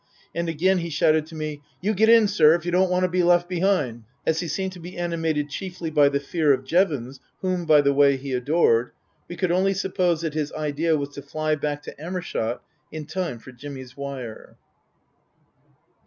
And again he shouted to me, " You get in, sir, if you don't want to be left be'ind." As he seemed to be animated chiefly by the fear of Jevons (whom, by the way, he adored), we could only suppose that his idea was to fly back to Amershott in time for Jimmy's wire.